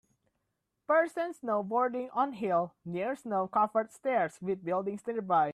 Person snowboarding on hill near snow covered stairs with buildings nearby.